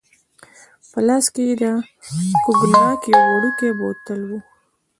په لاس کې يې د کوګناک یو وړوکی بوتل وو.